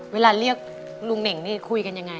เวลาเรียกลุงเน่งนี่คุยกันยังไง